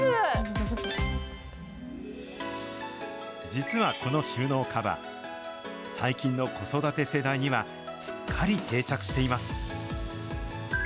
実はこの収納カバー、最近の子育て世代にはすっかり定着しています。